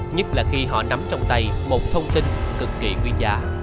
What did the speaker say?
nhất là khi họ nắm trong tay một thông tin cực kỳ nguy gia